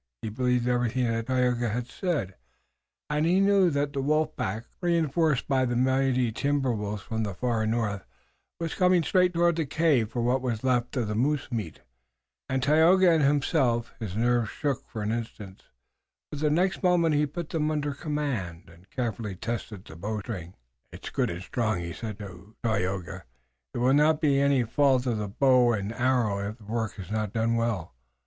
He believed everything that Tayoga had said, and he knew that the wolf pack, reënforced by mighty timber wolves from the far north, was coming straight toward the cave for what was left of the moose meat and Tayoga and himself. His nerves shook for an instant, but the next moment he put them under command, and carefully tested the bowstring. "It is good and strong," he said to Tayoga. "It will not be any fault of the bow and arrow if the work is not done well.